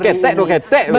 seketek duketek gitu ya